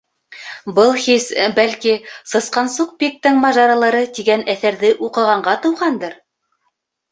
Был хис, бәлки, «Сысҡансуҡ Пиктың мажаралары» тигән әҫәрҙе уҡығанға тыуғандыр?